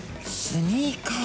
スニーカー？